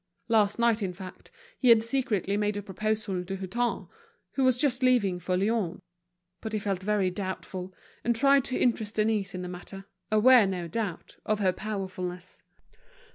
Last night, in fact, he had secretly made a proposal to Hutin, who was just leaving for Lyons. But he felt very doubtful, and tried to interest Denise in the matter, aware, no doubt, of her powerfulness.